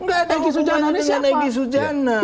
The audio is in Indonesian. enggak ada hubungannya dengan egy sujana